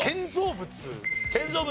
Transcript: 建造物。